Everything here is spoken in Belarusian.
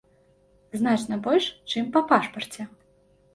Значна больш, чым па пашпарце.